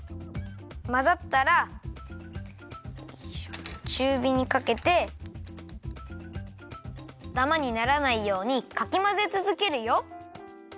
まざったらちゅうびにかけてダマにならないようにかきまぜつづけるよ。